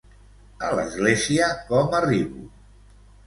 A l'església com arribo?